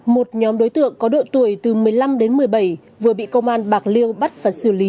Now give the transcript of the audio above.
một nhóm đối tượng có độ tuổi từ một mươi năm đến một mươi bảy vừa bị công an bạc liêu bắt và xử lý